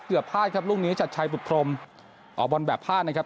เกือบพลาดครับลูกนี้ชัดชัยปุดพลมออกบนแบบพลาดนะครับ